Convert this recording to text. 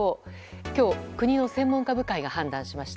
今日、国の専門家部会が判断しました。